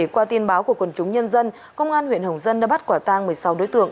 qua tin báo của quần chúng nhân dân công an huyện hồng dân đã bắt quả tang một mươi sáu đối tượng